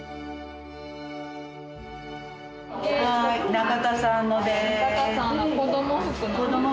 中田さんのです。